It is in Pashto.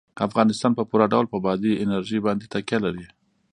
افغانستان په پوره ډول په بادي انرژي باندې تکیه لري.